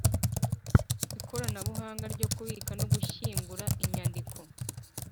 ikoranabuhanga ryo kubika no gushyingura inyandiko